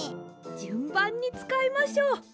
じゅんばんにつかいましょう。